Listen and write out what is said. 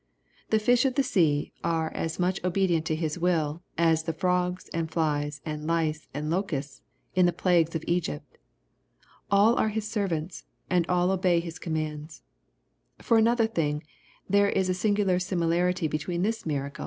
The fish of the sea are as much obedient to His will, as the frogs, and flies, and lice, and locusts, in the plagues of Egypt. AH are His ser vants, and all obey His commands. — ^For another thing, there is a singular similarity between this miracle.